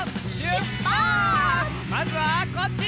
まずはこっち！